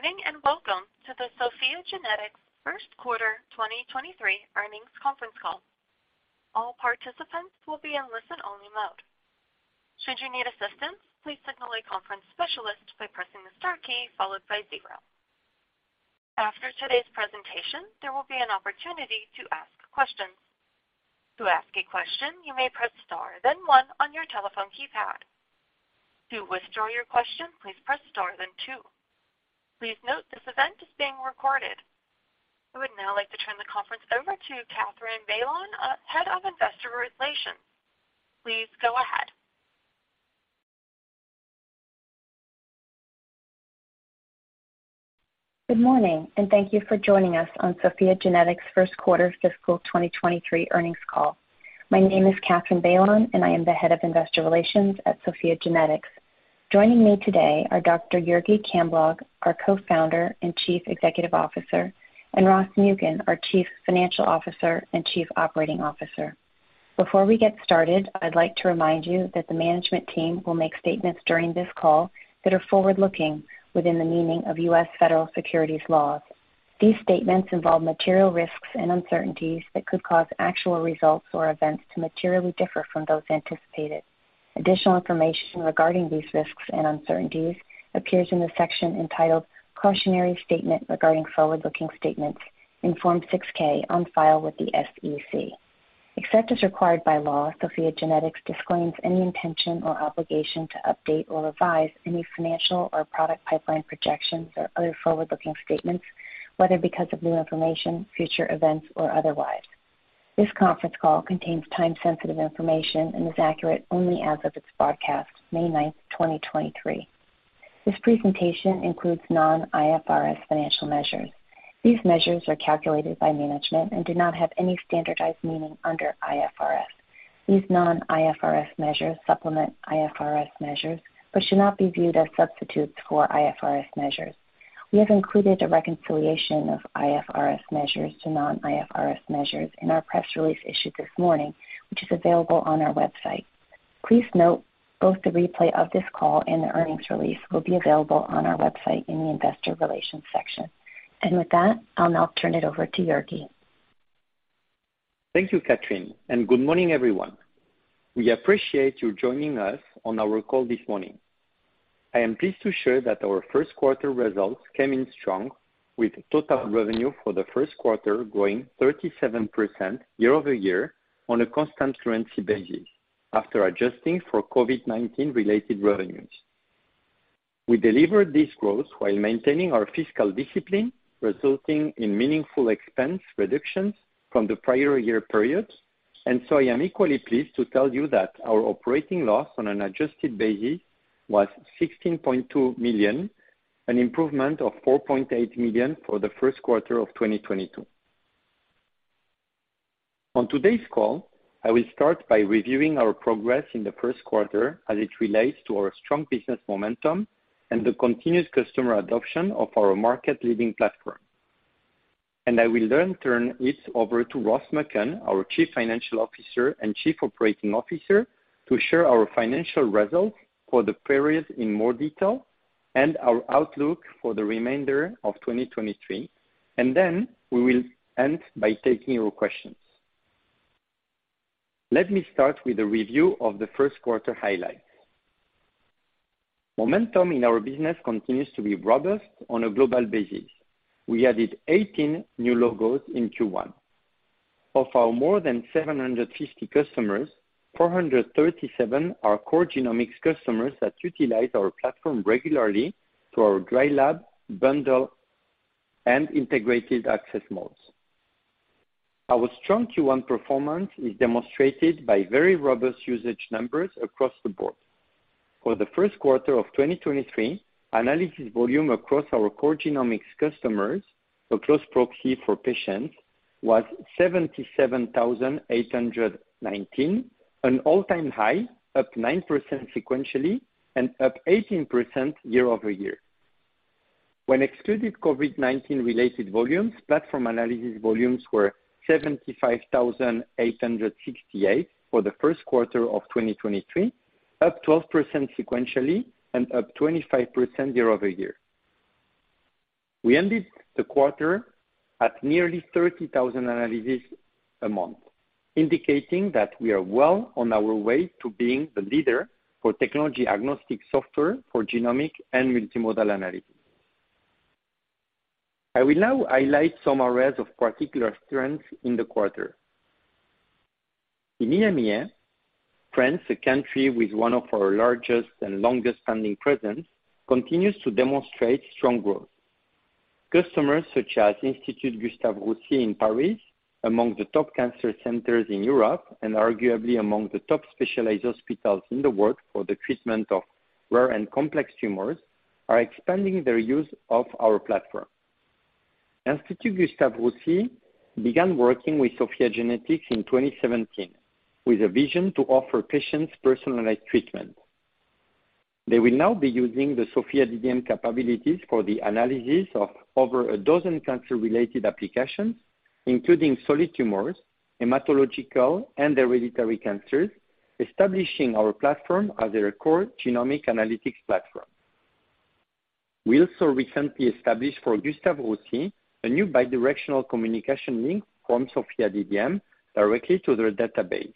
Good morning, welcome to the SOPHiA GENETICS first quarter 2023 earnings conference call. All participants will be in listen-only mode. Should you need assistance, please signal a conference specialist by pressing the star key followed by 0. After today's presentation, there will be an opportunity to ask questions. To ask a question, you may press Star then 1 on your telephone keypad. To withdraw your question, please press Star then 2. Please note this event is being recorded. I would now like to turn the conference over to Katherine Bailon, Head of Investor Relations. Please go ahead. Good morning. Thank you for joining us on SOPHiA GENETICS' first quarter fiscal 2023 earnings call. My name is Katherine Bailon. I am the head of investor relations at SOPHiA GENETICS. Joining me today are Dr. Jurgi Camblong, our co-founder and chief executive officer, and Ross Muken, our chief financial officer and chief operating officer. Before we get started, I'd like to remind you that the management team will make statements during this call that are forward-looking within the meaning of U.S. Federal securities laws. These statements involve material risks and uncertainties that could cause actual results or events to materially differ from those anticipated. Additional information regarding these risks and uncertainties appears in the section entitled Cautionary Statement regarding forward-looking statements in Form 6-K on file with the SEC. Except as required by law, SOPHiA GENETICS disclaims any intention or obligation to update or revise any financial or product pipeline projections or other forward-looking statements, whether because of new information, future events or otherwise. This conference call contains time-sensitive information and is accurate only as of its broadcast, May 9, 2023. This presentation includes non-IFRS financial measures. These measures are calculated by management and do not have any standardized meaning under IFRS. These non-IFRS measures supplement IFRS measures, but should not be viewed as substitutes for IFRS measures. We have included a reconciliation of IFRS measures to non-IFRS measures in our press release issued this morning, which is available on our website. Please note, both the replay of this call and the earnings release will be available on our website in the investor relations section. With that, I'll now turn it over to Jurgi. Thank you, Catherine, and good morning, everyone. We appreciate you joining us on our call this morning. I am pleased to share that our first quarter results came in strong with total revenue for the first quarter growing 37% year-over-year on a constant currency basis after adjusting for COVID-19 related revenues. We delivered this growth while maintaining our fiscal discipline, resulting in meaningful expense reductions from the prior year periods. I am equally pleased to tell you that our operating loss on an adjusted basis was $16.2 million, an improvement of $4.8 million for the first quarter of 2022. On today's call, I will start by reviewing our progress in the first quarter as it relates to our strong business momentum and the continuous customer adoption of our market-leading platform. I will then turn it over to Ross Muken, our chief financial officer and chief operating officer, to share our financial results for the period in more detail and our outlook for the remainder of 2023. Then we will end by taking your questions. Let me start with a review of the first quarter highlights. Momentum in our business continues to be robust on a global basis. We added 18 new logos in Q1. Of our more than 750 customers, 437 are core genomics customers that utilize our platform regularly through our dry lab, bundle, and integrated access modes. Our strong Q1 performance is demonstrated by very robust usage numbers across the board. For the first quarter of 2023, analysis volume across our core genomics customers, a close proxy for patients, was 77,819, an all-time high, up 9% sequentially and up 18% year-over-year. When excluded COVID-19 related volumes, platform analysis volumes were 75,868 for the first quarter of 2023, up 12% sequentially and up 25% year-over-year. We ended the quarter at nearly 30,000 analysis a month, indicating that we are well on our way to being the leader for technology-agnostic software for genomic and multimodal analysis. I will now highlight some areas of particular strength in the quarter. In EMEA, France, a country with one of our largest and longest-standing presence, continues to demonstrate strong growth. Customers such as Institut Gustave Roussy in Paris, among the top cancer centers in Europe, and arguably among the top specialized hospitals in the world for the treatment of rare and complex tumors, are expanding their use of our platform. Institut Gustave Roussy began working with SOPHiA GENETICS in 2017 with a vision to offer patients personalized treatment. They will now be using the SOPHiA DDM capabilities for the analysis of over a dozen cancer-related applications, including solid tumors, hematological and hereditary cancers, establishing our platform as a core genomic analytics platform. We also recently established for Gustave Roussy a new bi-directional communication link from SOPHiA DDM directly to their database.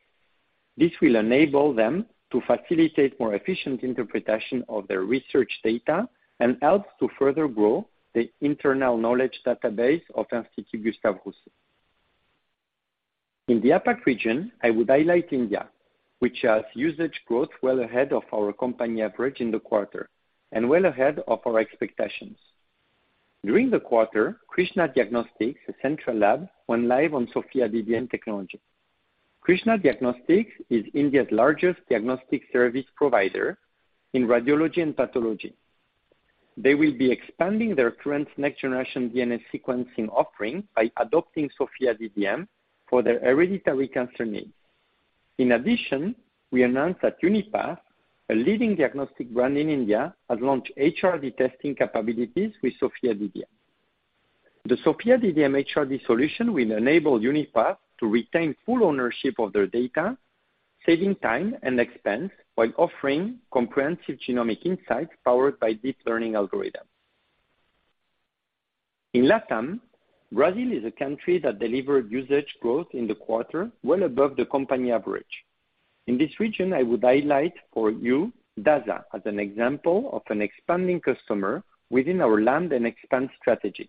This will enable them to facilitate more efficient interpretation of their research data and help to further grow the internal knowledge database of Institut Gustave Roussy. In the APAC region, I would highlight India, which has usage growth well ahead of our company average in the quarter, and well ahead of our expectations. During the quarter, Krsnaa Diagnostics, a central lab, went live on SOPHiA DDM technology. Krsnaa Diagnostics is India's largest diagnostic service provider in radiology and pathology. They will be expanding their current next-generation DNA sequencing offering by adopting SOPHiA DDM for their hereditary cancer needs. In addition, we announced that Unipath, a leading diagnostic brand in India, has launched HRD testing capabilities with SOPHiA DDM. The SOPHiA DDM HRD solution will enable Unipath to retain full ownership of their data, saving time and expense while offering comprehensive genomic insights powered by deep learning algorithms. In LATAM, Brazil is a country that delivered usage growth in the quarter well above the company average. In this region, I would highlight for you Dasa as an example of an expanding customer within our land and expand strategy.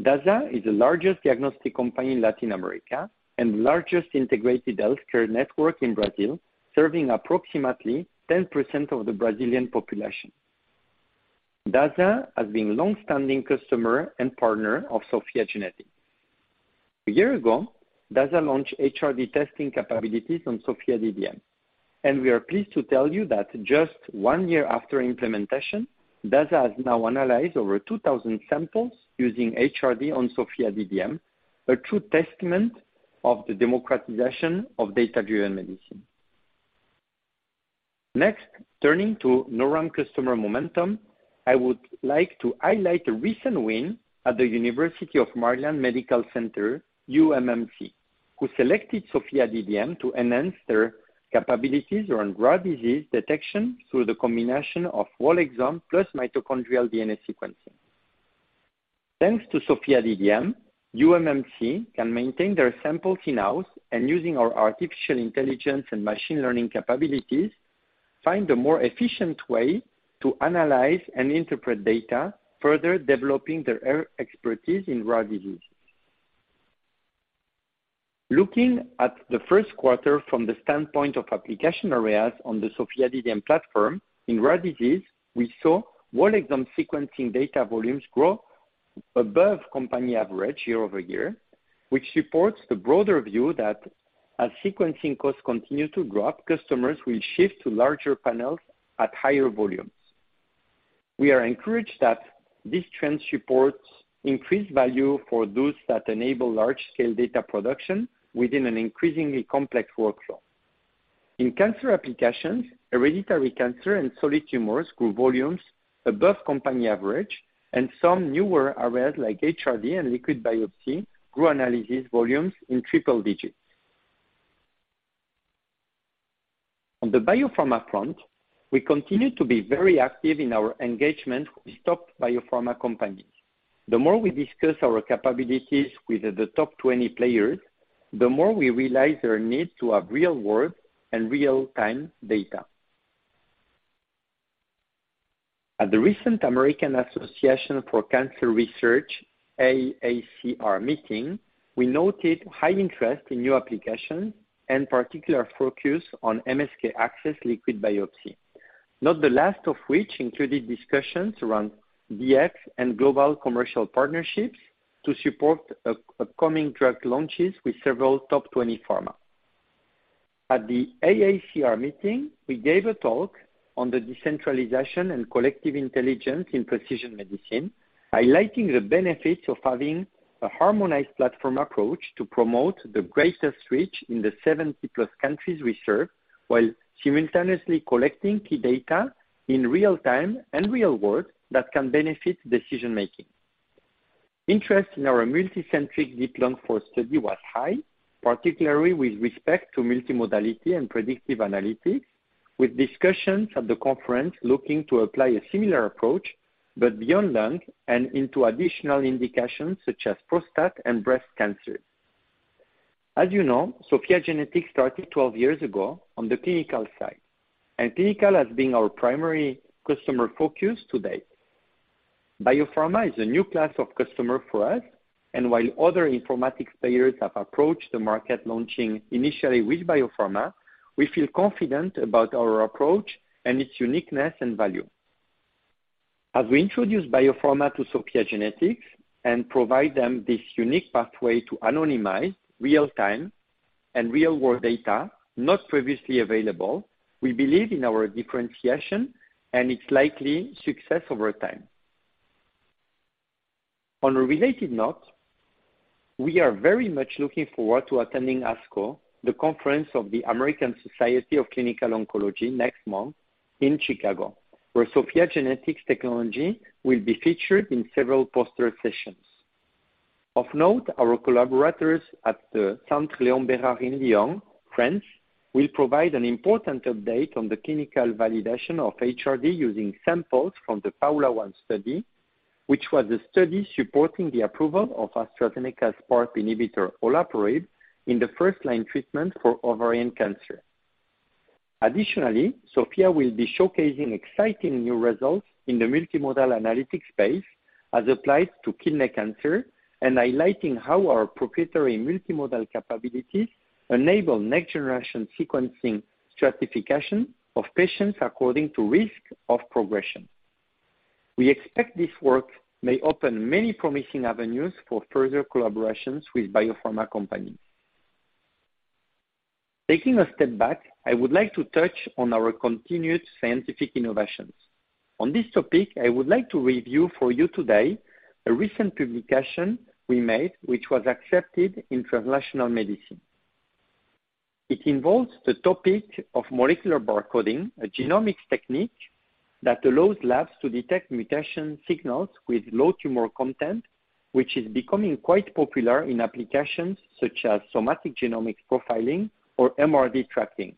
Dasa is the largest diagnostic company in Latin America and the largest integrated healthcare network in Brazil, serving approximately 10% of the Brazilian population. Dasa has been longstanding customer and partner of SOPHiA GENETICS. A year ago, Dasa launched HRD testing capabilities on SOPHiA DDM. We are pleased to tell you that just one year after implementation, Dasa has now analyzed over 2,000 samples using HRD on SOPHiA DDM, a true testament of the democratization of data-driven medicine. Next, turning to non-run customer momentum, I would like to highlight a recent win at the University of Maryland Medical Center, UMMC, who selected SOPHiA DDM to enhance their capabilities around rare disease detection through the combination of whole exome plus mitochondrial DNA sequencing. Thanks to SOPHiA DDM, UMMC can maintain their samples in-house and, using our artificial intelligence and machine learning capabilities, find a more efficient way to analyze and interpret data, further developing their expertise in rare diseases. Looking at the first quarter from the standpoint of application areas on the SOPHiA DDM platform, in rare disease, we saw whole exome sequencing data volumes grow above company average year-over-year, which supports the broader view that as sequencing costs continue to grow, customers will shift to larger panels at higher volumes. We are encouraged that this trend supports increased value for those that enable large-scale data production within an increasingly complex workflow. In cancer applications, hereditary cancer and solid tumors grew volumes above company average, and some newer areas like HRD and liquid biopsy grew analysis volumes in triple digits. On the biopharma front, we continue to be very active in our engagement with top biopharma companies. The more we discuss our capabilities with the top 20 players, the more we realize their need to have real-world and real-time data. At the recent American Association for Cancer Research, AACR meeting, we noted high interest in new applications and particular focus on MSK-ACCESS liquid biopsy, not the last of which included discussions around DX and global commercial partnerships to support upcoming drug launches with several top 20 pharma. At the AACR meeting, we gave a talk on the decentralization and collective intelligence in precision medicine, highlighting the benefits of having a harmonized platform approach to promote the greatest reach in the 70-plus countries we serve, while simultaneously collecting key data in real-time and real-world that can benefit decision-making. Interest in our multicentric DEEP-Lung-IV study was high, particularly with respect to multimodality and predictive analytics, with discussions at the conference looking to apply a similar approach but beyond lung and into additional indications such as prostate and breast cancer. As you know, SOPHiA GENETICS started 12 years ago on the clinical side, and clinical has been our primary customer focus to date. Biopharma is a new class of customer for us, and while other informatics players have approached the market launching initially with biopharma, we feel confident about our approach and its uniqueness and value. As we introduce biopharma to SOPHiA GENETICS and provide them this unique pathway to anonymize real-time and real-world data not previously available, we believe in our differentiation and its likely success over time. On a related note, we are very much looking forward to attending ASCO, the Conference of the American Society of Clinical Oncology, next month in Chicago, where SOPHiA GENETICS technology will be featured in several poster sessions. Of note, our collaborators at the Centre Léon Bérard in Lyon, France, will provide an important update on the clinical validation of HRD using samples from the PAOLA-1 study, which was a study supporting the approval of AstraZeneca's PARP inhibitor, olaparib, in the first line treatment for ovarian cancer. Additionally, SOPHiA will be showcasing exciting new results in the multimodal analytics space as applied to kidney cancer, and highlighting how our proprietary multimodal capabilities enable next-generation sequencing stratification of patients according to risk of progression. We expect this work may open many promising avenues for further collaborations with biopharma companies. Taking a step back, I would like to touch on our continued scientific innovations. On this topic, I would like to review for you today a recent publication we made, which was accepted in Translational Medicine. It involves the topic of molecular barcoding, a genomics technique that allows labs to detect mutation signals with low tumor content, which is becoming quite popular in applications such as somatic genomic profiling or MRD tracking.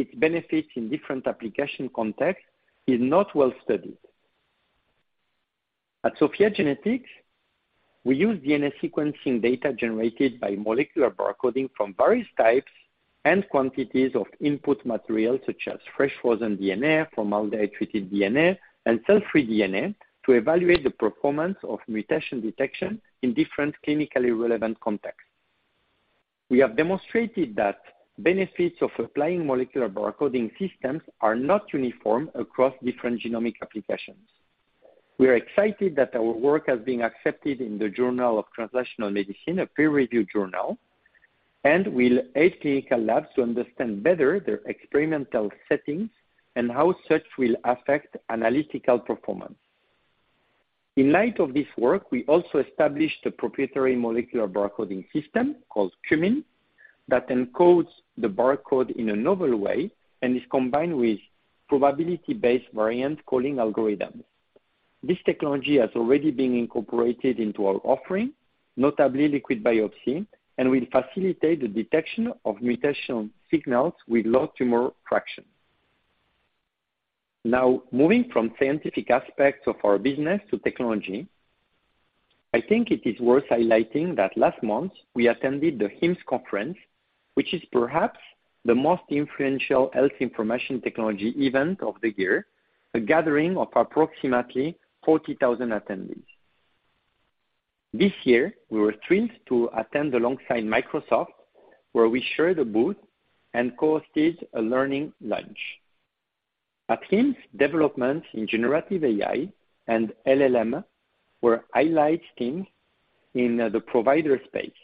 Its benefits in different application context is not well studied. At SOPHiA GENETICS, we use DNA sequencing data generated by molecular barcoding from various types and quantities of input material such as fresh frozen DNA, formaldehyde treated DNA, and cell-free DNA to evaluate the performance of mutation detection in different clinically relevant contexts. We have demonstrated that benefits of applying molecular barcoding systems are not uniform across different genomic applications. We are excited that our work has been accepted in the Journal of Translational Medicine, a peer review journal, and will aid clinical labs to understand better their experimental settings and how such will affect analytical performance. In light of this work, we also established a proprietary molecular barcoding system called CUMIN, that encodes the barcode in a novel way and is combined with probability-based variant calling algorithms. This technology has already been incorporated into our offering, notably liquid biopsy, and will facilitate the detection of mutation signals with low tumor fraction. Now, moving from scientific aspects of our business to technology, I think it is worth highlighting that last month we attended the HIMSS Conference, which is perhaps the most influential health information technology event of the year, a gathering of approximately 40,000 attendees. This year, we were thrilled to attend alongside Microsoft, where we shared a booth and co-hosted a learning lunch. At HIMSS, development in generative AI and LLM were highlight themes in the provider space.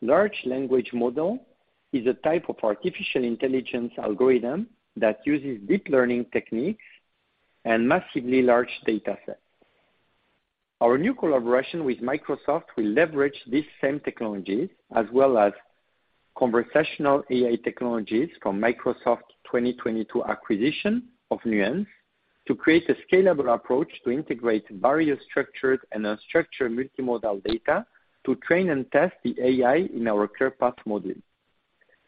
Large language model is a type of artificial intelligence algorithm that uses deep learning techniques and massively large data sets. Our new collaboration with Microsoft will leverage these same technologies as well as conversational AI technologies from Microsoft 2022 acquisition of Nuance to create a scalable approach to integrate various structured and unstructured multimodal data to train and test the AI in our CarePath module.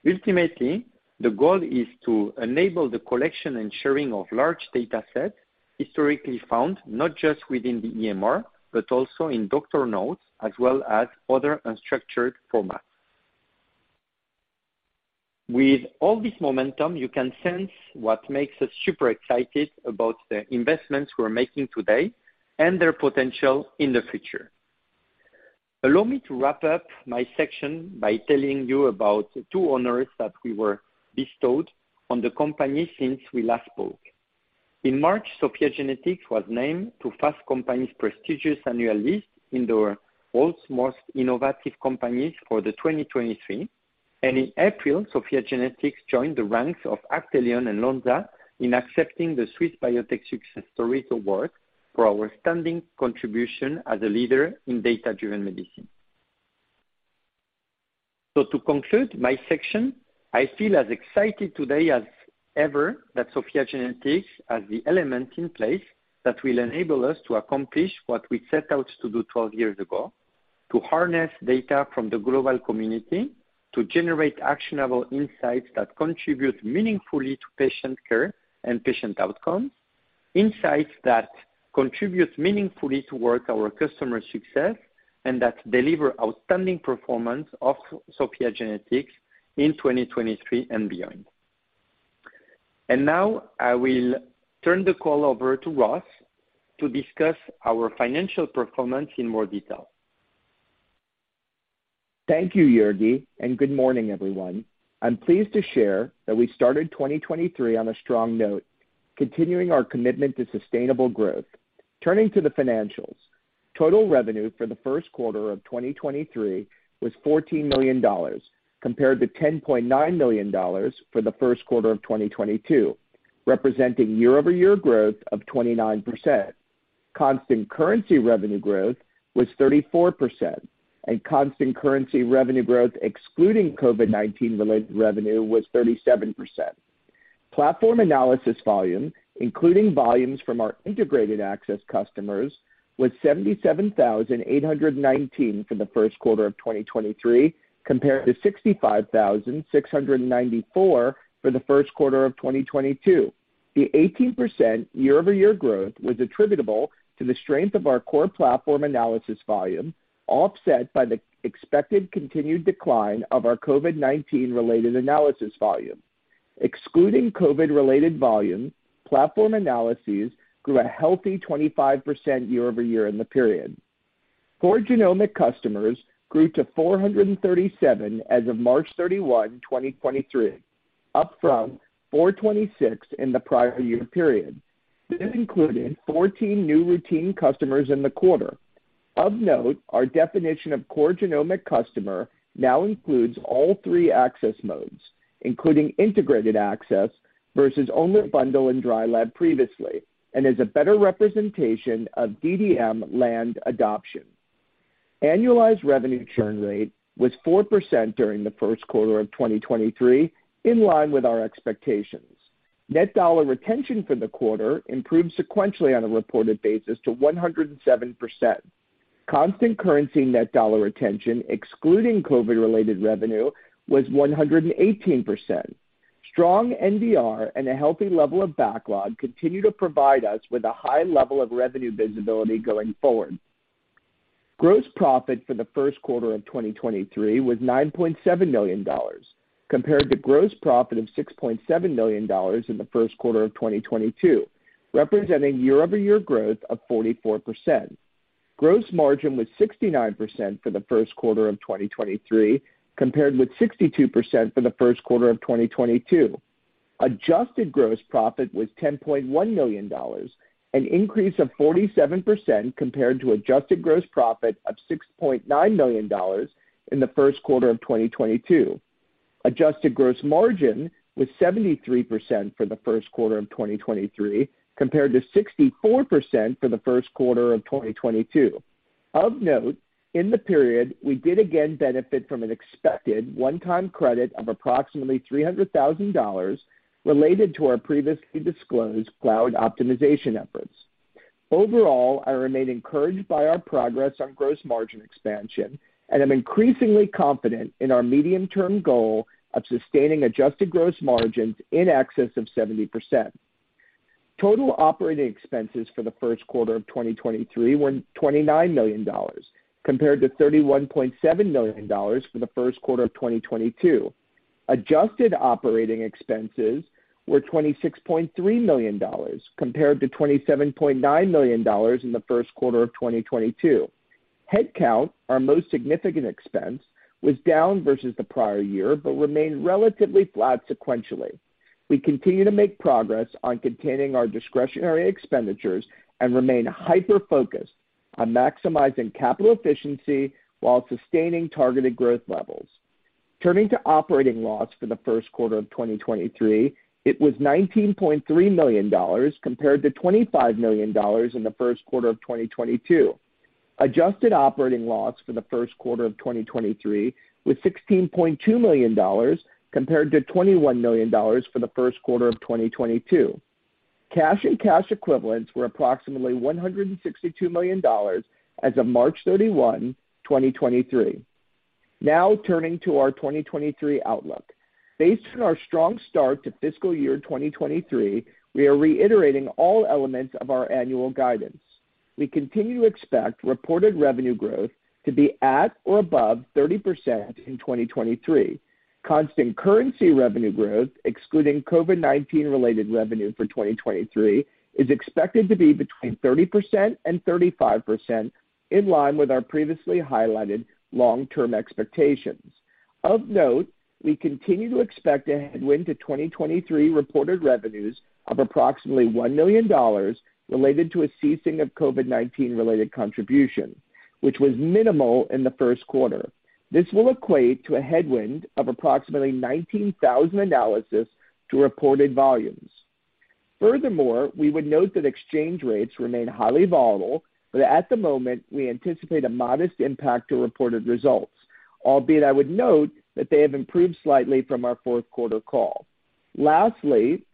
Ultimately, the goal is to enable the collection and sharing of large data sets historically found not just within the EMR, but also in doctor notes, as well as other unstructured formats. With all this momentum, you can sense what makes us super excited about the investments we're making today and their potential in the future. Allow me to wrap up my section by telling you about two honors that we were bestowed on the company since we last spoke. In March, SOPHiA GENETICS was named to Fast Company's prestigious annual list in their World's Most Innovative Companies for the 2023. In April, SOPHiA GENETICS joined the ranks of Actelion and Lonza in accepting the Swiss Biotech Success Story Award for our outstanding contribution as a leader in data-driven medicine. To conclude my section, I feel as excited today as ever that SOPHiA GENETICS has the elements in place that will enable us to accomplish what we set out to do 12 years ago, to harness data from the global community to generate actionable insights that contribute meaningfully to patient care and patient outcomes, insights that contribute meaningfully towards our customer success, and that deliver outstanding performance of SOPHiA GENETICS in 2023 and beyond. Now I will turn the call over to Ross to discuss our financial performance in more detail. Thank you, Jurgi, good morning, everyone. I'm pleased to share that we started 2023 on a strong note, continuing our commitment to sustainable growth. Turning to the financials. Total revenue for the first quarter of 2023 was $14 million, compared to $10.9 million for the first quarter of 2022, representing year-over-year growth of 29%. Constant currency revenue growth was 34%, and constant currency revenue growth excluding COVID-19 related revenue was 37%. Platform analysis volume, including volumes from our integrated access customers, was 77,819 for the first quarter of 2023 compared to 65,694 for the first quarter of 2022. The 18% year-over-year growth was attributable to the strength of our core platform analysis volume, offset by the expected continued decline of our COVID-19 related analysis volume. Excluding COVID-related volume, platform analyses grew a healthy 25% year-over-year in the period. Core genomic customers grew to 437 as of March 31, 2023, up from 426 in the prior year period. This included 14 new routine customers in the quarter. Of note, our definition of core genomic customer now includes all three access modes, including integrated access versus only a bundle and dry lab previously, and is a better representation of DDM land adoption. Annualized revenue churn rate was 4% during the first quarter of 2023, in line with our expectations. Net dollar retention for the quarter improved sequentially on a reported basis to 107%. Constant currency net dollar retention, excluding COVID-related revenue, was 118%. Strong NDR and a healthy level of backlog continue to provide us with a high level of revenue visibility going forward. Gross profit for the first quarter of 2023 was $9.7 million, compared to gross profit of $6.7 million in the first quarter of 2022, representing year-over-year growth of 44%. Gross margin was 69% for the first quarter of 2023, compared with 62% for the first quarter of 2022. Adjusted gross profit was $10.1 million, an increase of 47% compared to adjusted gross profit of $6.9 million in the first quarter of 2022. Adjusted gross margin was 73% for the first quarter of 2023, compared to 64% for the first quarter of 2022. Of note, in the period, we did again benefit from an expected one-time credit of approximately $300,000 related to our previously disclosed cloud optimization efforts. Overall, I remain encouraged by our progress on gross margin expansion and am increasingly confident in our medium-term goal of sustaining adjusted gross margins in excess of 70%. Total operating expenses for the first quarter of 2023 were $29 million, compared to $31.7 million for the first quarter of 2022. Adjusted operating expenses were $26.3 million, compared to $27.9 million in the first quarter of 2022. Headcount, our most significant expense, was down versus the prior year, but remained relatively flat sequentially. We continue to make progress on containing our discretionary expenditures and remain hyper-focused on maximizing capital efficiency while sustaining targeted growth levels. Turning to operating loss for the first quarter of 2023, it was $19.3 million compared to $25 million in the first quarter of 2022. Adjusted operating loss for the first quarter of 2023 was $16.2 million compared to $21 million for the first quarter of 2022. Cash and cash equivalents were approximately $162 million as of March 31, 2023. Turning to our 2023 outlook. Based on our strong start to fiscal year 2023, we are reiterating all elements of our annual guidance. We continue to expect reported revenue growth to be at or above 30% in 2023. Constant currency revenue growth, excluding COVID-19 related revenue for 2023, is expected to be between 30%-35%, in line with our previously highlighted long-term expectations. Of note, we continue to expect a headwind to 2023 reported revenues of approximately $1 million related to a ceasing of COVID-19 related contribution, which was minimal in the first quarter. This will equate to a headwind of approximately 19,000 analysis to reported volumes. We would note that exchange rates remain highly volatile, but at the moment, we anticipate a modest impact to reported results, albeit I would note that they have improved slightly from our fourth quarter call.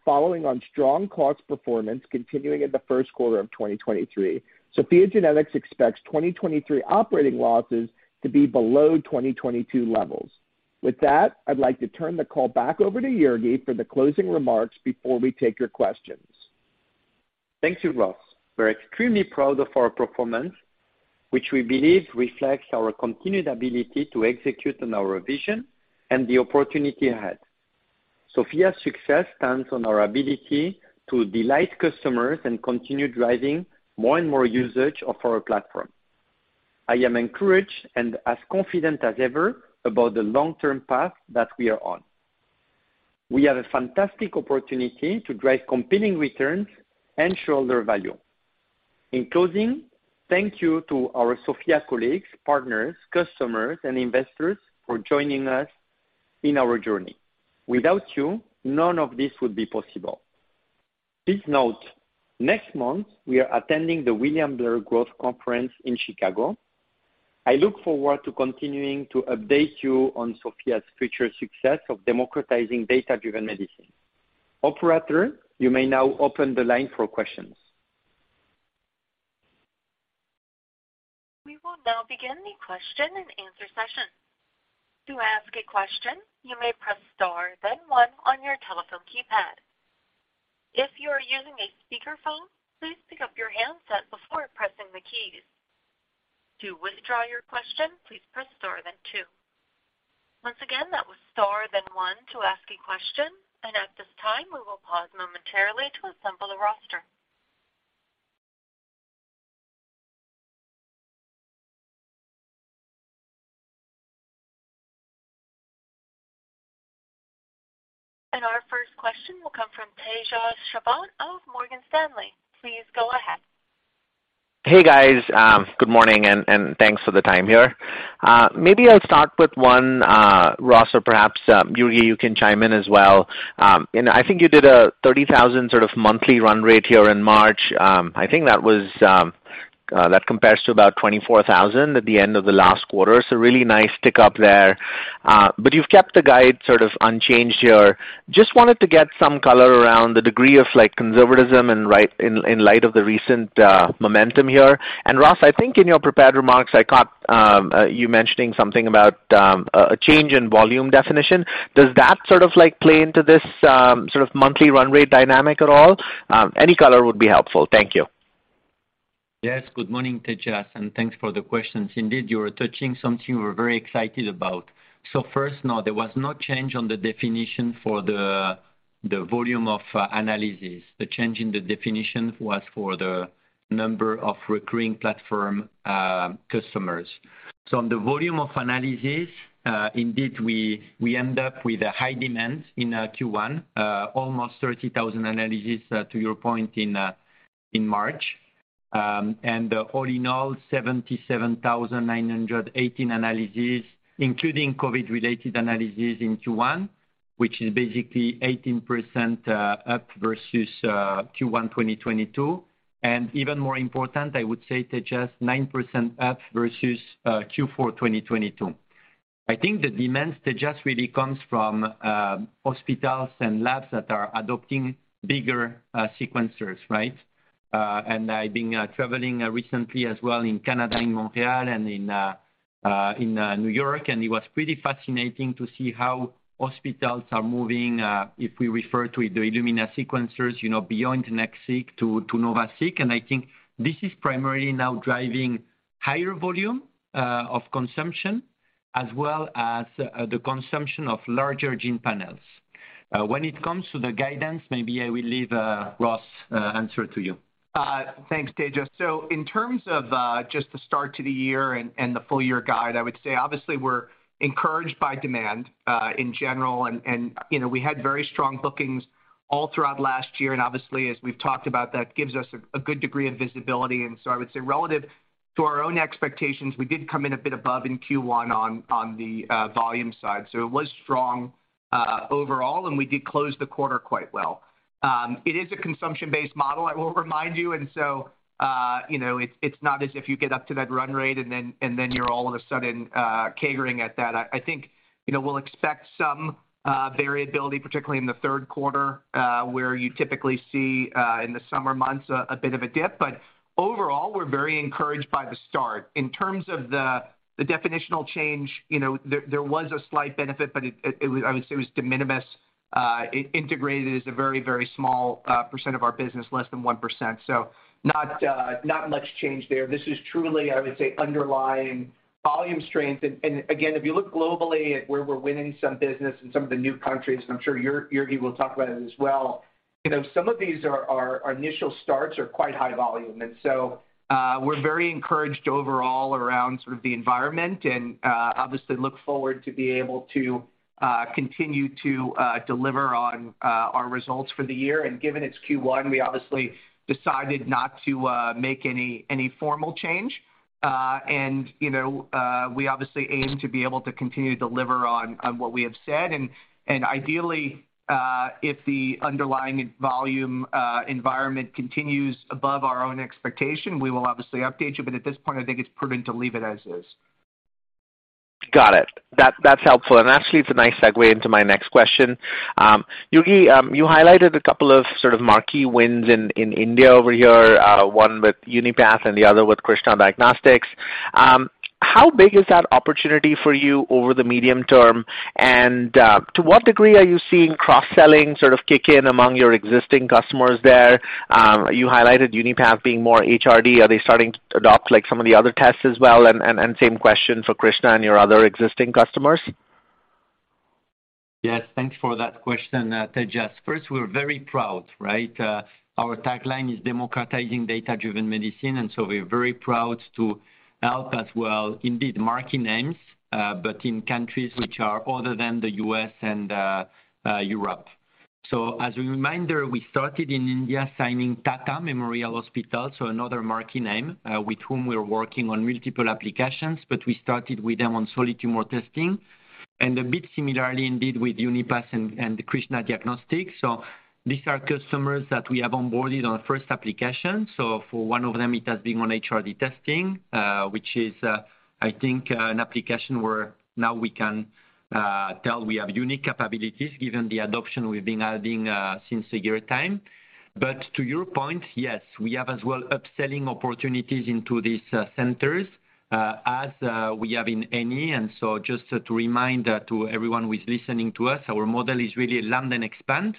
Following on strong cost performance continuing in the first quarter of 2023, SOPHiA GENETICS expects 2023 operating losses to be below 2022 levels. With that, I'd like to turn the call back over to Jurgi for the closing remarks before we take your questions. Thank you, Ross. We're extremely proud of our performance, which we believe reflects our continued ability to execute on our vision and the opportunity ahead. SOPHiA's success stands on our ability to delight customers and continue driving more and more usage of our platform. I am encouraged and as confident as ever about the long-term path that we are on. We have a fantastic opportunity to drive competing returns and shareholder value. In closing, thank you to our SOPHiA colleagues, partners, customers, and investors for joining us. In our journey. Without you, none of this would be possible. Please note, next month, we are attending the William Blair Growth Stock Conference in Chicago. I look forward to continuing to update you on SOPHiA's future success of democratizing data-driven medicine. Operator, you may now open the line for questions. We will now begin the question and answer session. To ask a question, you may press Star, then one on your telephone keypad. If you are using a speakerphone, please pick up your handset before pressing the keys. To withdraw your question, please press Star, then two. Once again, that was Star, then one to ask a question. At this time, we will pause momentarily to assemble a roster. Our first question will come from Tejas Savant of Morgan Stanley. Please go ahead. Hey, guys. Good morning, and thanks for the time here. Maybe I'll start with one, Ross, or perhaps, Jurgi, you can chime in as well. I think you did a 30,000 sort of monthly run rate here in March. I think that was, that compares to about 24,000 at the end of the last quarter. Really nice tick up there. You've kept the guide sort of unchanged here. Just wanted to get some color around the degree of, like, conservatism in light of the recent momentum here. Ross, I think in your prepared remarks, I caught you mentioning something about a change in volume definition. Does that sort of, like, play into this sort of monthly run rate dynamic at all? Any color would be helpful. Thank you. Yes, good morning, Tejas, and thanks for the questions. Indeed, you are touching something we're very excited about. First, no, there was no change on the definition for the volume of analysis. The change in the definition was for the number of recurring platform customers. On the volume of analysis, indeed, we end up with a high demand in Q1, almost 30,000 analysis, to your point in March. And all in all, 77,918 analysis, including COVID-related analysis in Q1, which is basically 18% up versus Q1 2022. Even more important, I would say Tejas, 9% up versus Q4 2022. I think the demands, Tejas, really comes from hospitals and labs that are adopting bigger sequencers, right? I've been traveling recently as well in Canada, in Montreal and in New York, and it was pretty fascinating to see how hospitals are moving, if we refer to the Illumina sequencers, you know, beyond NextSeq to NovaSeq. And I think this is primarily now driving higher volume of consumption as well as the consumption of larger gene panels. When it comes to the guidance, maybe I will leave Ross answer to you Thanks, Tejas. In terms of just the start to the year and the full year guide, I would say, obviously we're encouraged by demand in general. You know, we had very strong bookings all throughout last year, and obviously, as we've talked about, that gives us a good degree of visibility. I would say relative to our own expectations, we did come in a bit above in Q1 on the volume side. It was strong overall, and we did close the quarter quite well. It is a consumption-based model, I will remind you. You know, it's not as if you get up to that run rate and then you're all of a sudden catering at that. I think, you know, we'll expect some variability, particularly in the third quarter, where you typically see in the summer months a bit of a dip. Overall, we're very encouraged by the start. In terms of the definitional change, you know, there was a slight benefit, but it was de minimis. It integrated as a very, very small percent of our business, less than 1%. Not much change there. This is truly, I would say, underlying volume strength. Again, if you look globally at where we're winning some business in some of the new countries, and I'm sure Jurgi will talk about it as well, you know, some of these are our initial starts are quite high volume. We're very encouraged overall around sort of the environment and obviously look forward to be able to continue to deliver on our results for the year. Given it's Q1, we obviously decided not to make any formal change. You know, we obviously aim to be able to continue to deliver on what we have said. Ideally, if the underlying volume environment continues above our own expectation, we will obviously update you. At this point, I think it's prudent to leave it as is. Got it. That, that's helpful. Actually it's a nice segue into my next question. Jurgi, you highlighted a couple of sort of marquee wins in India over here, 1 with Unipath and the other with Krsnaa Diagnostics. How big is that opportunity for you over the medium term? To what degree are you seeing cross-selling sort of kick in among your existing customers there? You highlighted Unipath being more HRD. Are they starting to adopt like some of the other tests as well? Same question for Krsnaa and your other existing customers. Yes. Thanks for that question, Tejas. First, we're very proud, right? Our tagline is democratizing data-driven medicine, we're very proud to help as well, indeed marquee names, but in countries which are other than the U.S. and Europe. As a reminder, we started in India signing Tata Memorial Hospital, so another marquee name, with whom we are working on multiple applications, but we started with them on solid tumor testing and a bit similarly indeed, with Unipath and Krsnaa Diagnostics. These are customers that we have onboarded on our first application. For one of them, it has been on HRD testing, which is, I think, an application where now we can tell we have unique capabilities given the adoption we've been adding since a year time. To your point, yes, we have as well upselling opportunities into these centers as we have in any. Just to remind everyone who is listening to us, our model is really land and expand.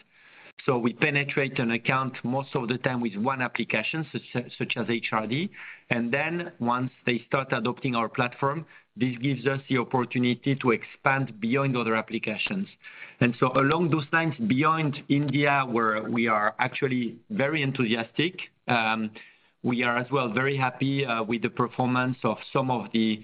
We penetrate an account most of the time with one application, such as HRD. Once they start adopting our platform, this gives us the opportunity to expand beyond other applications. Along those lines, beyond India, where we are actually very enthusiastic, we are as well very happy with the performance of some of the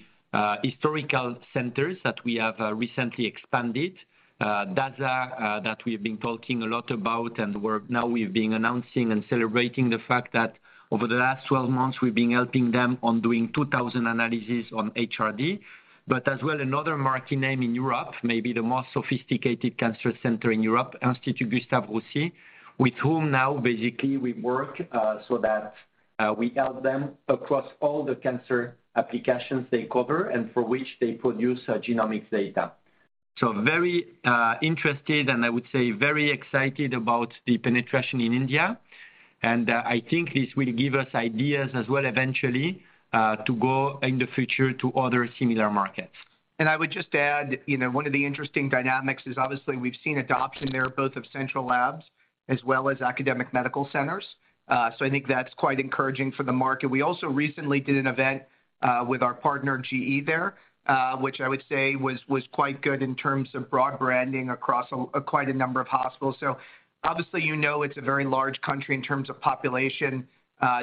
historical centers that we have recently expanded. Dasa that we've been talking a lot about, and now we've been announcing and celebrating the fact that over the last 12 months, we've been helping them on doing 2,000 analysis on HRD. As well, another marquee name in Europe, maybe the most sophisticated cancer center in Europe, Institut Gustave Roussy, with whom now basically we work, that we help them across all the cancer applications they cover and for which they produce, genomics data. Very interested, and I would say very excited about the penetration in India. I think this will give us ideas as well eventually, to go in the future to other similar markets. I would just add, you know, one of the interesting dynamics is obviously we've seen adoption there, both of central labs as well as academic medical centers. I think that's quite encouraging for the market. We also recently did an event with our partner GE there, which I would say was quite good in terms of broad branding across a quite a number of hospitals. Obviously, you know, it's a very large country in terms of population.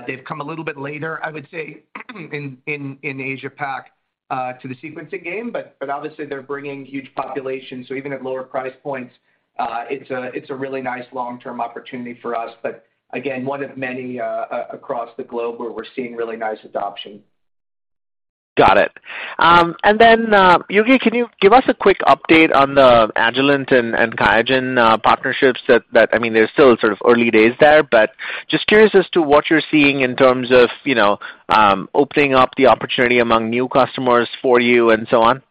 They've come a little bit later, I would say, in Asia Pac to the sequencing game, but obviously they're bringing huge population. Even at lower price points, it's a really nice long-term opportunity for us. Again, one of many across the globe where we're seeing really nice adoption. Got it. Jurgi, can you give us a quick update on the Agilent and QIAGEN partnerships that... I mean, they're still sort of early days there, but just curious as to what you're seeing in terms of, you know, opening up the opportunity among new customers for you and so on.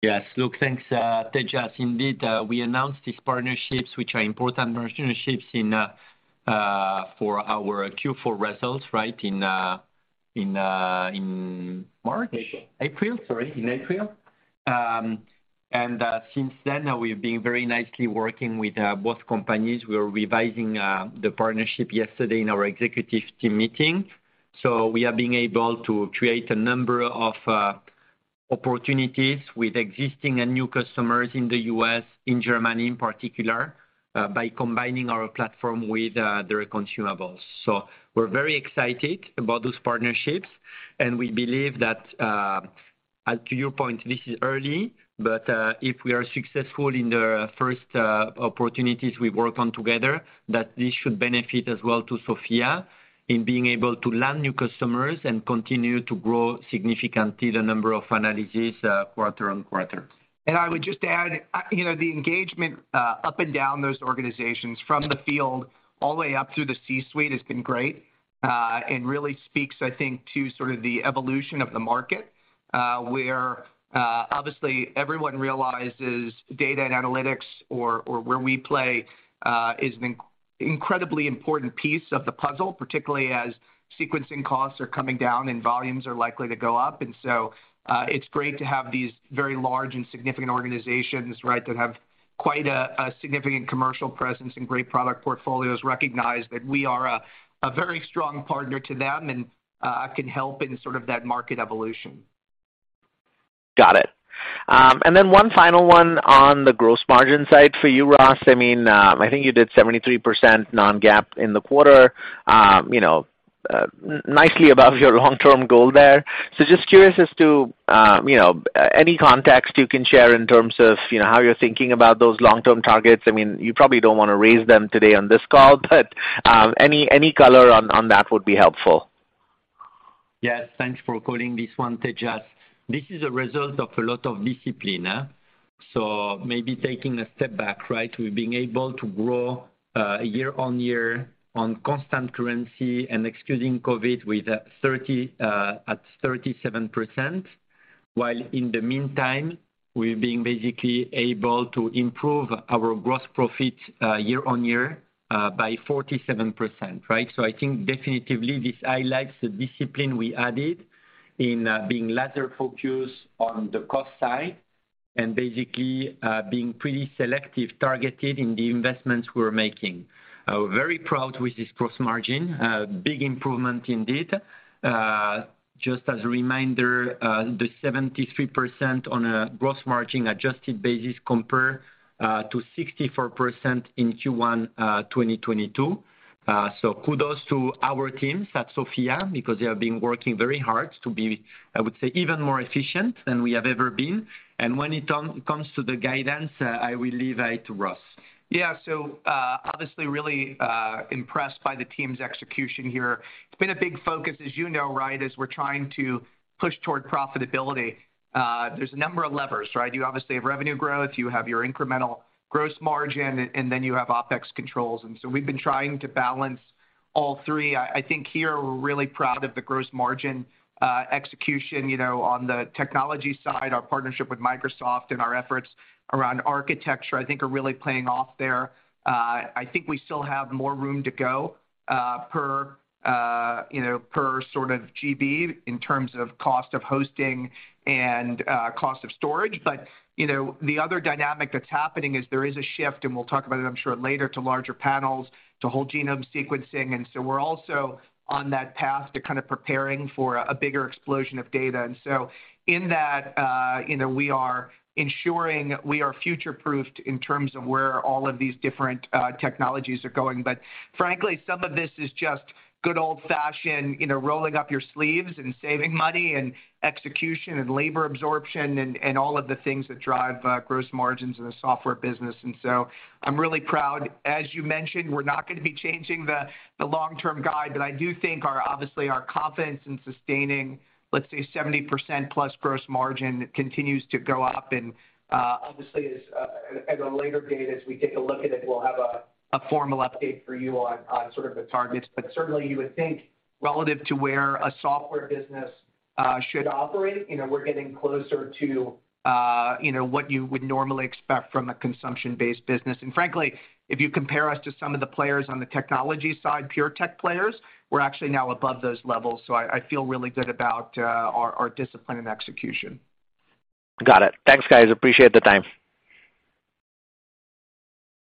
Yes. Look, thanks, Tejas. Indeed, we announced these partnerships, which are important partnerships for our Q4 results, right? In March? April. April, sorry. In April. Since then, we've been very nicely working with both companies. We were revising the partnership yesterday in our executive team meeting. We are being able to create a number of opportunities with existing and new customers in the U.S., in Germany in particular, by combining our platform with their consumables. We're very excited about those partnerships, and we believe that, to your point, this is early, if we are successful in the first opportunities we work on together, that this should benefit as well to SOPHiA in being able to land new customers and continue to grow significantly the number of analyses, quarter-on-quarter. I would just add, you know, the engagement up and down those organizations from the field all the way up through the C-suite has been great and really speaks, I think, to sort of the evolution of the market where obviously everyone realizes data and analytics or where we play is an incredibly important piece of the puzzle, particularly as sequencing costs are coming down and volumes are likely to go up. It's great to have these very large and significant organizations, right, that have quite a significant commercial presence and great product portfolios, recognize that we are a very strong partner to them and can help in sort of that market evolution. Got it. One final one on the gross margin side for you, Ross. I mean, I think you did 73% non-GAAP in the quarter, you know, nicely above your long-term goal there. Just curious as to, you know, any context you can share in terms of, you know, how you're thinking about those long-term targets. I mean, you probably don't wanna raise them today on this call, but any color on that would be helpful. Thanks for calling this one, Tejas Savant. This is a result of a lot of discipline. Maybe taking a step back, right, we're being able to grow year-on-year on constant currency and excusing COVID-19 at 37%, while in the meantime, we're basically able to improve our gross profit year-on-year by 47%, right? I think definitively this highlights the discipline we added in being laser focused on the cost side and basically being pretty selective targeted in the investments we're making. We're very proud with this gross margin. Big improvement indeed. Just as a reminder, the 73% on a gross margin adjusted basis compare to 64% in Q1 2022. Kudos to our teams at SOPHiA GENETICS because they have been working very hard to be, I would say, even more efficient than we have ever been. When it comes to the guidance, I will leave it to Ross Muken. Obviously really impressed by the team's execution here. It's been a big focus, as you know, right, as we're trying to push toward profitability. There's a number of levers, right? You obviously have revenue growth, you have your incremental gross margin, and then you have OpEx controls. We've been trying to balance all three. I think here we're really proud of the gross margin execution. You know, on the technology side, our partnership with Microsoft and our efforts around architecture, I think are really paying off there. I think we still have more room to go per, you know, per sort of GB in terms of cost of hosting and cost of storage. You know, the other dynamic that's happening is there is a shift, and we'll talk about it, I'm sure, later, to larger panels, to whole genome sequencing. We're also on that path to kind of preparing for a bigger explosion of data. In that, you know, we are ensuring we are future-proofed in terms of where all of these different technologies are going. Frankly, some of this is just good old-fashioned, you know, rolling up your sleeves and saving money and execution and labor absorption and all of the things that drive gross margins in the software business. I'm really proud. As you mentioned, we're not gonna be changing the long-term guide, but I do think obviously our confidence in sustaining, let's say 70% plus gross margin continues to go up. Obviously as at a later date, as we take a look at it, we'll have a formal update for you on sort of the targets. Certainly you would think relative to where a software business should operate, you know, we're getting closer to, you know, what you would normally expect from a consumption-based business. Frankly, if you compare us to some of the players on the technology side, pure tech players, we're actually now above those levels. I feel really good about our discipline and execution. Got it. Thanks, guys. Appreciate the time.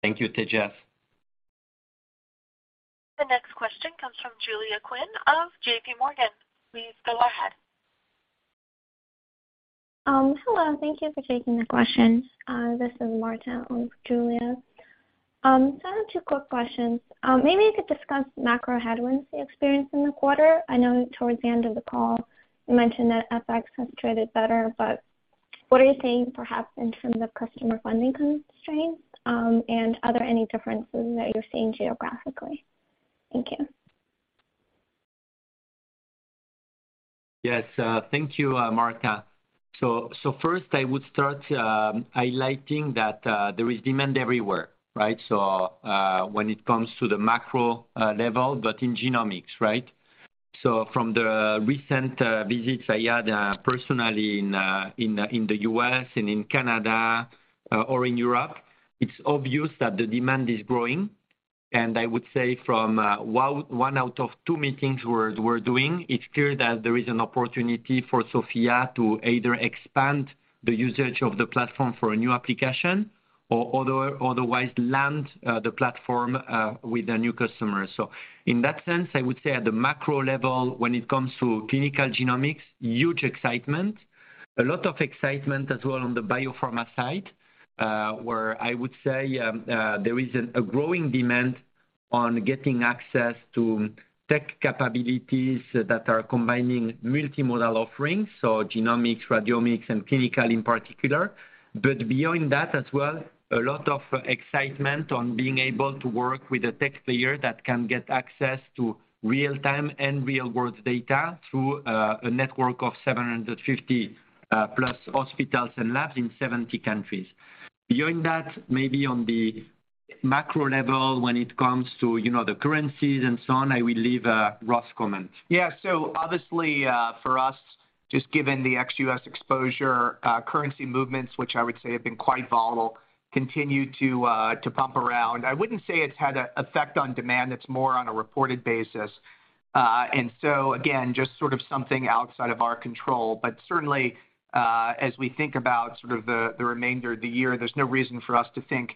Thank you to Jeff. The next question comes from Julia Qin of J.P. Morgan. Please go ahead. Hello. Thank you for taking the question. This is Marta, Julia. I have two quick questions. Maybe you could discuss macro headwinds you experienced in the quarter. I know towards the end of the call you mentioned that FX has traded better. What are you seeing perhaps in terms of customer funding constraints, and are there any differences that you're seeing geographically? Thank you. Yes. Thank you, Marta. First I would start highlighting that there is demand everywhere, right? When it comes to the macro level, but in genomics, right? From the recent visits I had personally in the U.S. and in Canada or in Europe, it's obvious that the demand is growing. I would say from 1 out of 2 meetings we're doing, it's clear that there is an opportunity for SOPHiA to either expand the usage of the platform for a new application or otherwise land the platform with a new customer. In that sense, I would say at the macro level, when it comes to clinical genomics, huge excitement. A lot of excitement as well on the biopharma side, where I would say, there is a growing demand on getting access to tech capabilities that are combining multimodal offerings, so genomics, radiomics, and clinical in particular. Beyond that as well, a lot of excitement on being able to work with a tech player that can get access to real time and real world data through a network of 750 plus hospitals and labs in 70 countries. Maybe on the macro level, when it comes to, you know, the currencies and so on, I will leave, Ross comment. Yeah. Obviously, for us, just given the ex-U.S. exposure, currency movements, which I would say have been quite volatile, continue to bump around. I wouldn't say it's had a effect on demand. It's more on a reported basis. Again, just sort of something outside of our control. Certainly, as we think about sort of the remainder of the year, there's no reason for us to think,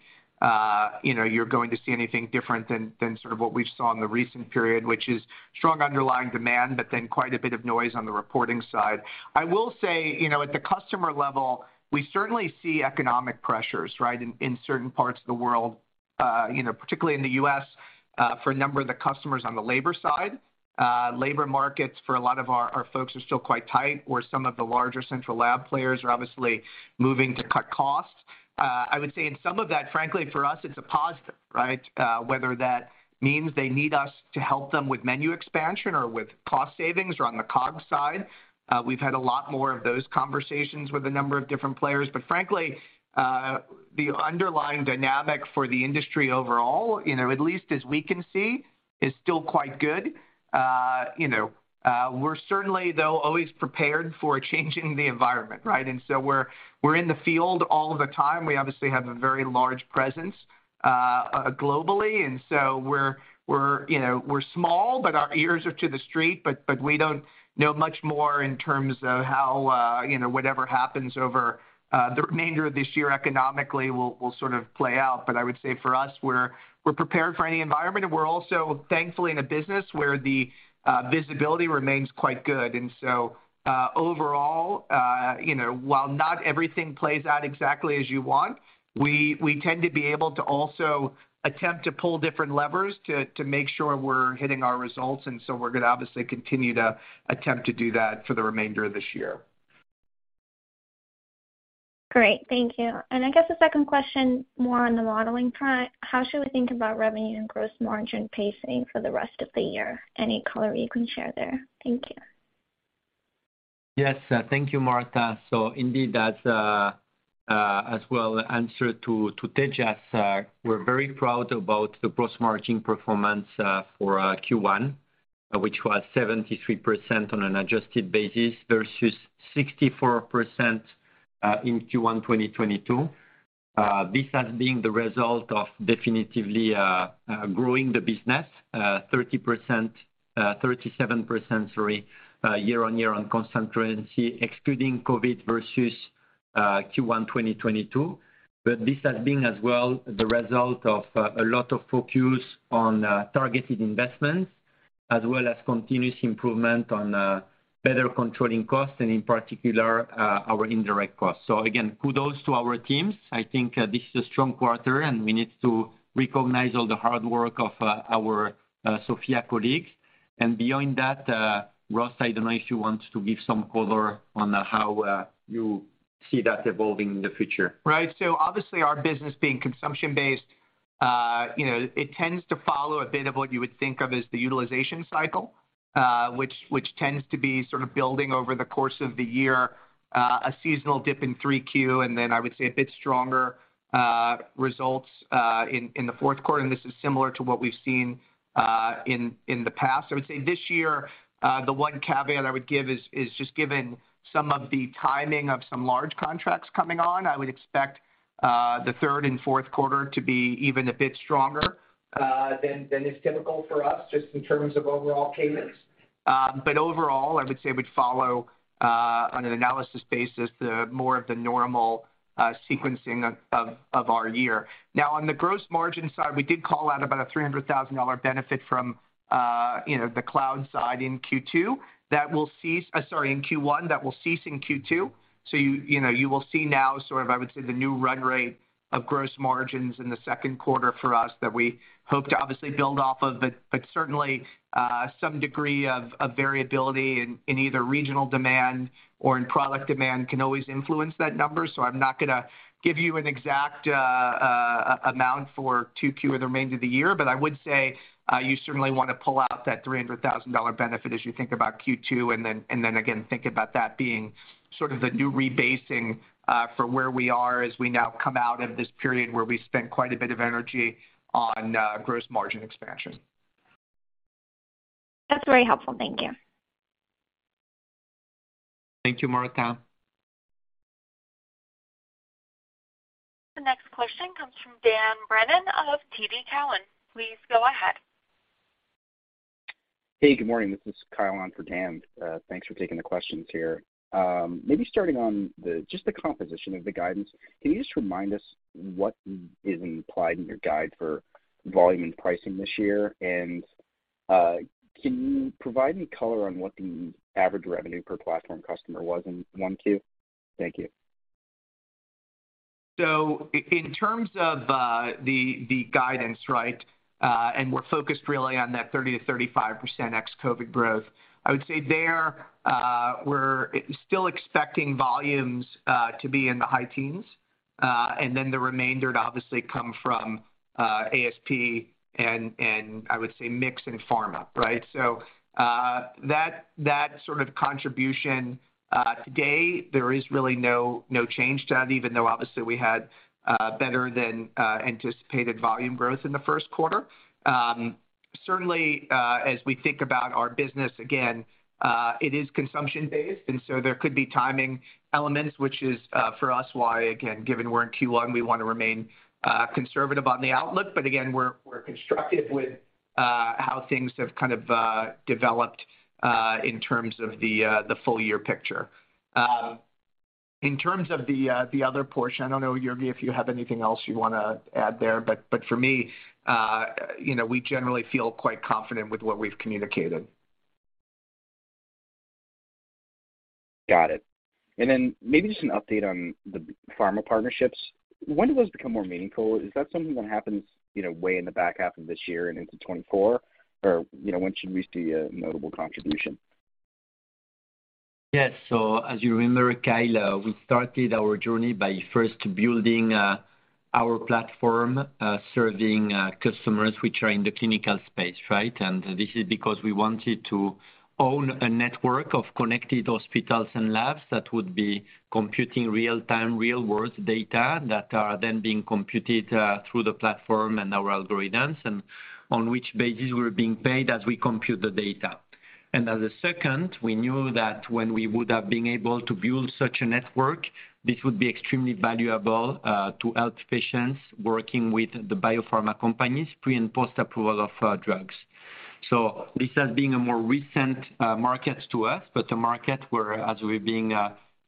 you know, you're going to see anything different than sort of what we saw in the recent period, which is strong underlying demand, but then quite a bit of noise on the reporting side. I will say, you know, at the customer level, we certainly see economic pressures, right, in certain parts of the world, you know, particularly in the U.S., for a number of the customers on the labor side. Labor markets for a lot of our folks are still quite tight, or some of the larger central lab players are obviously moving to cut costs. I would say in some of that, frankly, for us, it's a positive, right? Whether that means they need us to help them with menu expansion or with cost savings or on the COGS side. We've had a lot more of those conversations with a number of different players. Frankly, the underlying dynamic for the industry overall, you know, at least as we can see, is still quite good. You know, we're certainly though always prepared for a change in the environment, right? We're in the field all of the time. We obviously have a very large presence globally, and so we're, you know, we're small, but our ears are to the street. We don't know much more in terms of how, you know, whatever happens over the remainder of this year economically will sort of play out. I would say for us, we're prepared for any environment. We're also thankfully in a business where the visibility remains quite good. Overall, you know, while not everything plays out exactly as you want, we tend to be able to also attempt to pull different levers to make sure we're hitting our results, and so we're gonna obviously continue to attempt to do that for the remainder of this year. Great. Thank you. I guess the second question, more on the modeling front, how should we think about revenue and gross margin pacing for the rest of the year? Any color you can share there? Thank you. Yes. Thank you, Marta. Indeed, that as well answer to Tejas, we're very proud about the gross margin performance for Q1, which was 73% on an adjusted basis versus 64% in Q1 2022. This has been the result of definitively growing the business 37%, sorry, year-on-year on constant currency excluding COVID-19 versus Q1 2022. This has been as well the result of a lot of focus on targeted investments as well as continuous improvement on better controlling costs and in particular, our indirect costs. Again, kudos to our teams. I think this is a strong quarter, and we need to recognize all the hard work of our SOPHiANs. Beyond that, Ross, I don't know if you want to give some color on how you see that evolving in the future. Right. Obviously, our business being consumption-based, you know, it tends to follow a bit of what you would think of as the utilization cycle, which tends to be sort of building over the course of the year, a seasonal dip in 3Q, then I would say a bit stronger results, in the fourth quarter. This is similar to what we've seen in the past. I would say this year, the one caveat I would give is just given some of the timing of some large contracts coming on, I would expect the third and fourth quarter to be even a bit stronger than is typical for us just in terms of overall cadence. Overall, I would say we follow on an analysis basis, the more of the normal sequencing of our year. On the gross margin side, we did call out about a $300,000 benefit from, you know, the cloud side in Q2 that will cease sorry, in Q1, that will cease in Q2. You know, you will see now sort of, I would say, the new run rate of gross margins in the second quarter for us that we hope to obviously build off of, but certainly some degree of variability in either regional demand or in product demand can always influence that number. I'm not gonna give you an exact amount for 2Q or the remainder of the year, but I would say, you certainly wanna pull out that $300,000 benefit as you think about Q2, and then again, think about that being sort of the new rebasing for where we are as we now come out of this period where we spent quite a bit of energy on gross margin expansion. That's very helpful. Thank you. Thank you, Marta. The next question comes from Dan Brennan of TD Cowen. Please go ahead. Hey, good morning. This is Kyle on for Dan. Thanks for taking the questions here. Maybe starting just the composition of the guidance, can you just remind us what is implied in your guide for volume and pricing this year? Can you provide any color on what the average revenue per platform customer was in 1Q? Thank you. In terms of the guidance, right, we're focused really on that 30%-35% ex-COVID growth. I would say there, we're still expecting volumes to be in the high teens, the remainder to obviously come from ASP and I would say mix in pharma, right? That sort of contribution today there is really no change to that, even though obviously we had better than anticipated volume growth in the first quarter. Certainly, as we think about our business, again, it is consumption-based, there could be timing elements, which is for us, why, again, given we're in Q1, we wanna remain conservative on the outlook. Again, we're constructive with how things have kind of developed in terms of the full year picture. In terms of the other portion, I don't know, Jurgi, if you have anything else you wanna add there, but for me, you know, we generally feel quite confident with what we've communicated. Got it. Maybe just an update on the pharma partnerships. When do those become more meaningful? Is that something that happens, you know, way in the back half of this year and into 2024? You know, when should we see a notable contribution? Yes. As you remember, Kyle, we started our journey by first building our platform, serving customers which are in the clinical space, right? This is because we wanted to own a network of connected hospitals and labs that would be computing real-time, real-world data that are then being computed through the platform and our algorithms, and on which basis we're being paid as we compute the data. As a second, we knew that when we would have been able to build such a network, this would be extremely valuable to help patients working with the biopharma companies pre- and post-approval of drugs. So this has been a more recent market to us, but a market where as we're being,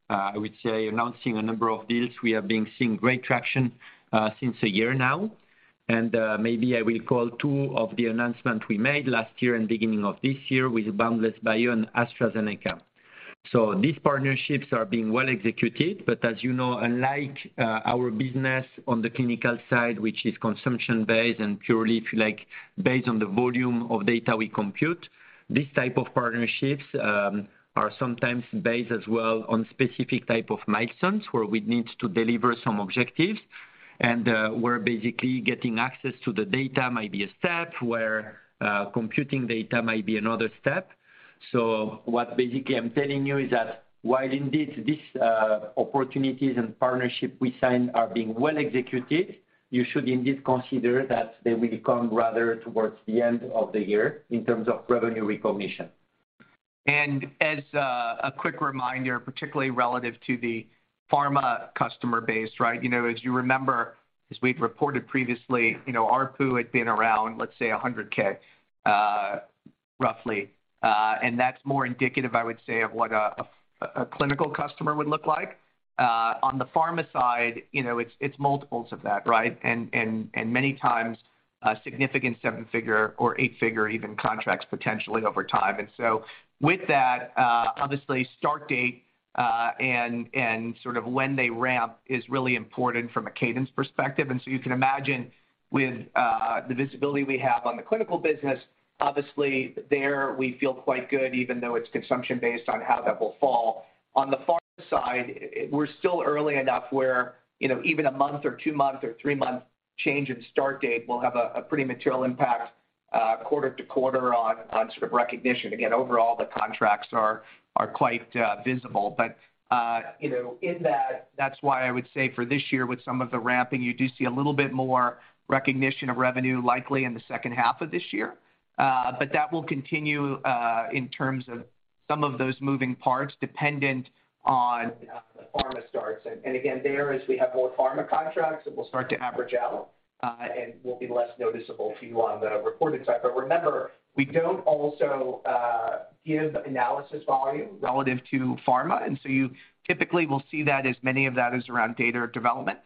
I would say, announcing a number of deals, we have been seeing great traction since a year now. Maybe I will call two of the announcement we made last year and beginning of this year with Boundless Bio and AstraZeneca. These partnerships are being well executed. As you know, unlike our business on the clinical side, which is consumption-based and purely, if you like, based on the volume of data we compute, these type of partnerships are sometimes based as well on specific type of milestones where we need to deliver some objectives. We're basically getting access to the data might be a step, where computing data might be another step. What basically I'm telling you is that while indeed these opportunities and partnership we sign are being well executed, you should indeed consider that they will come rather towards the end of the year in terms of revenue recognition. As a quick reminder, particularly relative to the pharma customer base, right? You know, as you remember, as we've reported previously, you know, ARPU had been around, let's say, $100K roughly. That's more indicative, I would say of what a clinical customer would look like. On the pharma side, you know, it's multiples of that, right? And many times, significant 7-figure or 8-figure even contracts potentially over time. With that, obviously start date, and sort of when they ramp is really important from a cadence perspective. You can imagine with, the visibility we have on the clinical business, obviously there we feel quite good, even though it's consumption based on how that will fall. On the pharma side, we're still early enough where, you know, even a month or 2-month or 3-month change in start date will have a pretty material impact, quarter to quarter on sort of recognition. Again, overall, the contracts are quite visible. You know, in that's why I would say for this year, with some of the ramping, you do see a little bit more recognition of revenue likely in the second half of this year. That will continue in terms of some of those moving parts dependent on the pharma starts. Again, there as we have more pharma contracts, it will start to average out and will be less noticeable to you on the reported side. Remember, we don't also, give analysis volume relative to pharma, and so you typically will see that as many of that is around data development,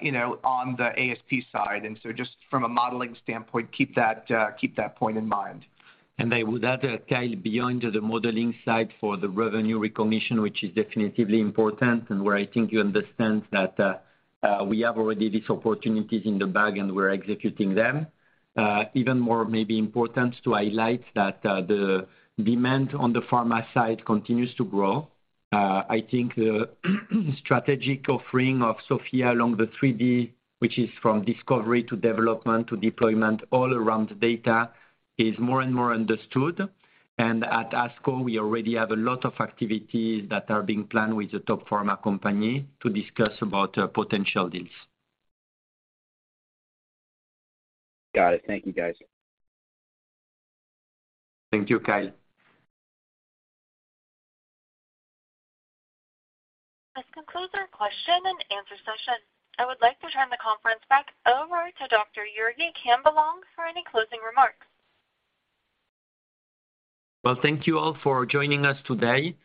you know, on the ASP side. Just from a modeling standpoint, keep that, keep that point in mind. I would add, Kyle, beyond the modeling side for the revenue recognition, which is definitively important and where I think you understand that, we have already these opportunities in the bag and we're executing them. Even more maybe important to highlight that, the demand on the pharma side continues to grow. I think the strategic offering of SOPHiA along the three D, which is from discovery to development to deployment all around data, is more and more understood. At ASCO, we already have a lot of activities that are being planned with the top pharma company to discuss about potential deals. Got it. Thank you, guys. Thank you, Kyle. This concludes our question and answer session. I would like to turn the conference back over to Dr. Jurgi Camblong for any closing remarks. Well, thank you all for joining us today.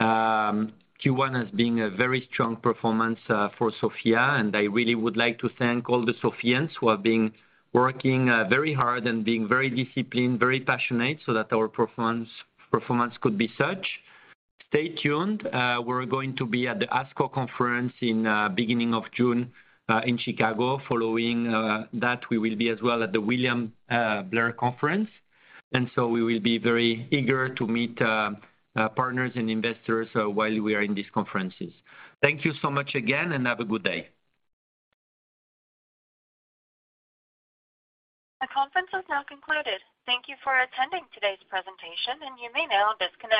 Q1 has been a very strong performance for SOPHiA, and I really would like to thank all the SOPHiANs who have been working very hard and being very disciplined, very passionate, so that our performance could be such. Stay tuned. We're going to be at the ASCO conference in beginning of June in Chicago. Following that, we will be as well at the William Blair conference, and so we will be very eager to meet partners and investors while we are in these conferences. Thank you so much again, and have a good day. The conference has now concluded. Thank you for attending today's presentation, and you may now disconnect.